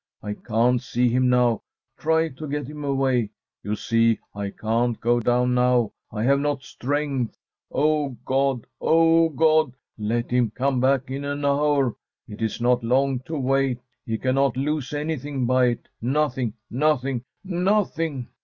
I can't see him now; try to get him away. You see I can't go down now; I have not strength. O God! O God! let him come back in an hour; it is not long to wait. He cannot lose anything by it; nothing, nothing, nothing.